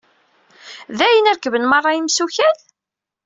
Dayen rekben merra imessukal?